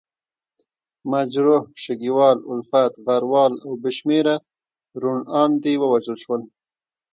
مجروح، شګیوال، الفت، غروال او بې شمېره روڼاندي ووژل شول.